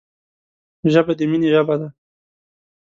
ژبه د مینې ژبه ده